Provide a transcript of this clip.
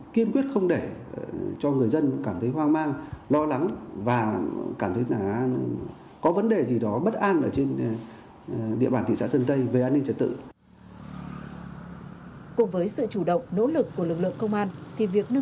kiên quyết không để cho người dân cảm thấy hoang mang lo lắng và cảm thấy có vấn đề gì đó bất an ở trên địa bàn thị xã sơn tây về an ninh trật tự